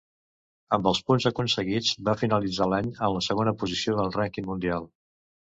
Amb els punts aconseguits va finalitzar l'any en la segona posició del rànquing mundial.